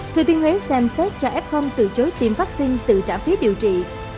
thưa tiên huế xem xét cho f từ chối tiêm vaccine từ trả phí biểu trị